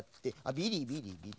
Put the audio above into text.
ビリビリビリ。